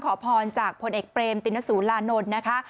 ขอพรจากผลเอกเปรมตินสุรานนท์นะคะ